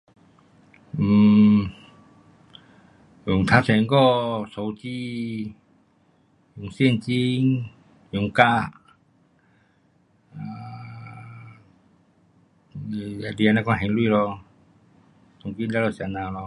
um 用较常还有用手机，现金，用卡，um 就是这样款还钱咯，当今全部是这样咯。